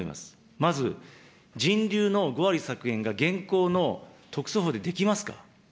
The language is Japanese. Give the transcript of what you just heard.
まず人流の５割削減が、現行の特措法でできますか。